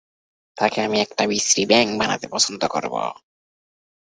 তাকে আমি একটা বিশ্রী ব্যাঙ বানাতে পছন্দ করবো।